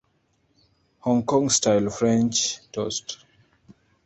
Hong Kong-style French toast.